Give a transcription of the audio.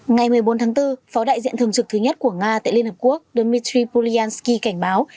ngày một mươi bốn tháng bốn phó đại diện thường trực thứ nhất của nga tại liên hợp quốc dmitry pulianzy cảnh báo